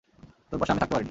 তোর পাশে আমি থাকতে পারিনি।